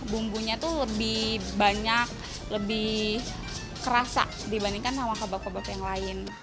bumbunya itu lebih banyak lebih kerasa dibandingkan sama kebab kebak yang lain